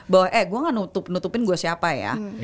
bahwa eh gue gak nutup nutupin gue siapa ya